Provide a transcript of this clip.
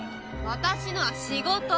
私のは仕事！